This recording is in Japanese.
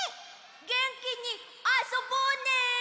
げんきにあそぼうね！